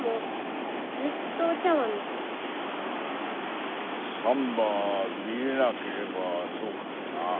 うんサンバ見れなければそうかもなあ。